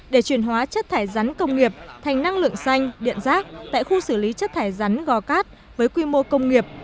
để chuyển hóa chất thải rắn công nghiệp thành năng lượng xanh điện rác tại khu xử lý chất thải rắn gò cát với quy mô công nghiệp